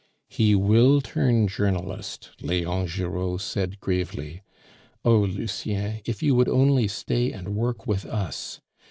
"He will turn journalist," Leon Giraud said gravely. "Oh, Lucien, if you would only stay and work with us!